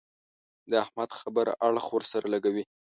د احمد خبره اړخ ور سره لګوي.